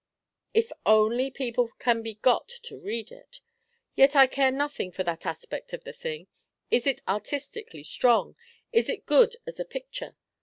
"If only people can be got to read it. Yet I care nothing for that aspect of the thing. Is it artistically strong? Is it good as a picture?